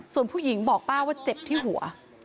ส่วนผู้หญิงบอกป้าว่าเจ็บที่หัว